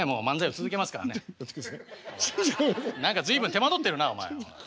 何か随分手間取ってるなお前は。